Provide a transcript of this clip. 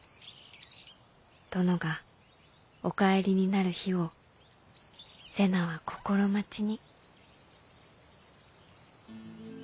殿がお帰りになる日を瀬名は心待ちに」。